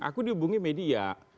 aku dihubungi media